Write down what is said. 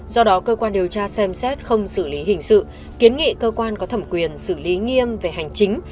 do đó cơ quan điều tra xem xét không xử lý hình sự kiến nghị cơ quan có thẩm quyền xử lý nghiêm về hành chính